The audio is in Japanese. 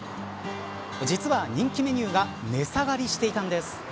実は人気メニューが値下がりしていたんです。